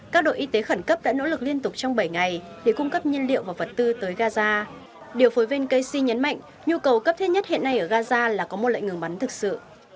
các đội y tế khẩn cấp đã nỗ lực liên tục trong bảy ngày để cung cấp nhiên liệu và vật tư tới gaza điều phối viên casi nhấn mạnh nhu cầu cấp thiết nhất hiện nay ở gaza là có một lệnh ngừng bắn thực sự